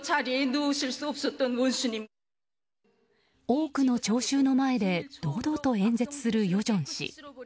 多くの聴衆の前で堂々と演説する与正氏。